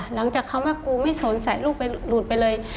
หลังจากคำว่ากูไม่สนใส่ลูกไปหลุดไปเลย